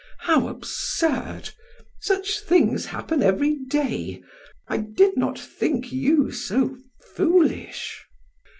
How absurd! Such things happen every day. I did not think you so foolish."